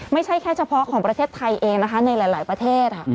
ไม่ใช่แค่เฉพาะของประเทศไทยเองนะคะในหลายประเทศ